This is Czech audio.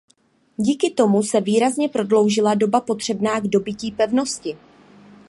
Díky tomu se výrazně prodloužila doba potřebná k dobytí pevnosti.